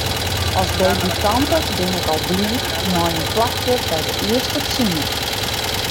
As debutante bin ik al bliid mei in plakje by de earste tsien.